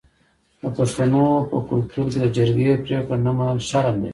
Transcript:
د پښتنو په کلتور کې د جرګې پریکړه نه منل شرم دی.